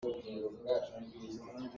Aa phenhai nak ah a palh chinchin.